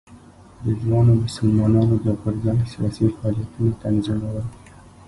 د ځوانو مسلمانانو د غورځنګ سیاسي فعالیتونه تنظیمول.